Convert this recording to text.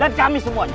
dan kami semuanya